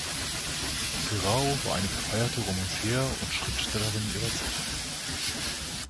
Serao war eine gefeierte Romancière und Schriftstellerin ihrer Zeit.